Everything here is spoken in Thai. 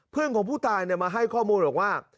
เพื่อนของผู้ตายมาให้ข้อมูลบอกว่า